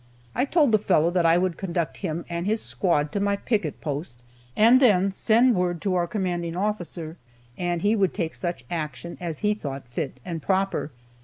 I told the fellow that I would conduct him and his squad to my picket post, and then send word to our commanding officer, and he would take such action as he thought fit and proper.